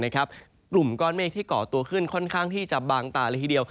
กลุ่มก้อนเมฆที่เกาะตัวขึ้นค่อนข้างที่จะบางตาเลยทีเดียว